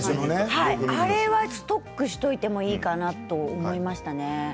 あれはストックしておいてもいいかなと思いましたね。